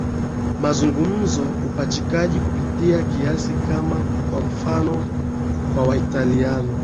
mazungumzo upachikaji kupita kiasi kama kwa mfano kwa Waitaliano